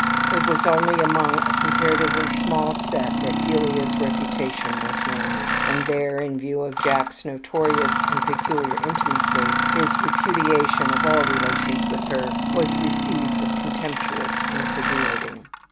It was only among a comparatively small set that Delia's reputation was known, and there, in view of Jack's notorious and peculiar intimacy, his repudiation of all relations with her was received with contemptuous incredulity.